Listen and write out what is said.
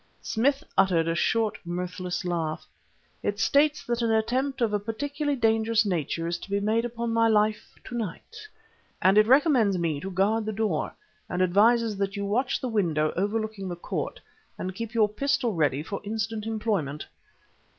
Smith uttered a short, mirthless laugh. "It states that an attempt of a particularly dangerous nature is to be made upon my life to night, and it recommends me to guard the door, and advises that you watch the window overlooking the court, and keep your pistol ready for instant employment."